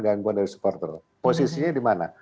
gangguan dari supporter posisinya di mana